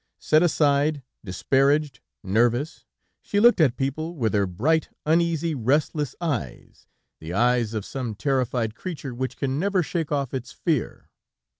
Set aside, disparaged, nervous, she looked at people with her bright, uneasy, restless eyes, the eyes of some terrified creature which can never shake off its fear.